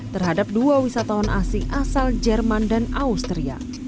terhadap dua wisatawan asing asal jerman dan austria